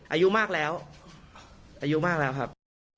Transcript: อายุมากแล้วอายุมากแล้วครับ